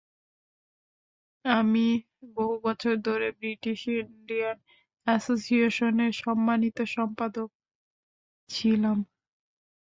তিনি বহু বছর ধরে বৃটিশ ইন্ডিয়ান অ্যাসোসিয়েশনের সাম্মানিক সম্পাদক ছিলেন ।